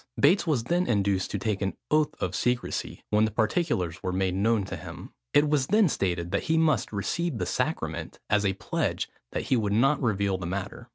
Bates was then induced to take an oath of secresy; when the particulars were made known to him. It was then stated that he must receive the sacrament, as a pledge that he would not reveal the matter.